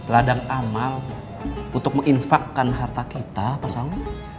ladang amal untuk menginfakkan harta kita mas aung